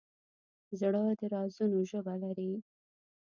زړه د رازونو ژبه لري.